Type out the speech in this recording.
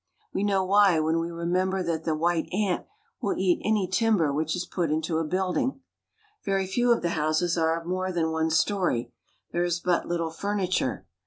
We know why when we remember that the white ant will eat any timber which is put into a building. Very few of the houses are of more than one story. There is but little furniture.